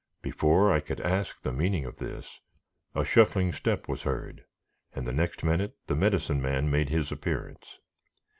Before I could ask the meaning of this, a shuffling step was heard, and the next minute the Medicine Man made his appearance.